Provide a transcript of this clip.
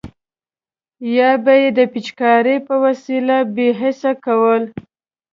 یا به یې د پیچکارۍ په وسیله بې حس کول.